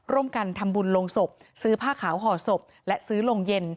ร่วมกันทำบุญลงศพซื้อผ้าขาวห่อศพและซื้อโรงเย็น